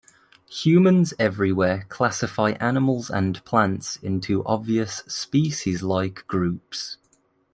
Humans everywhere classify animals and plants into obvious species-like groups.